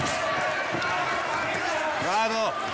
ガード！